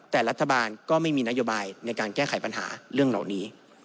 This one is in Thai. แต่รัฐบาลก็ไม่มีนโยบายในการแก้ไขปัญหาเรื่องเหล่านี้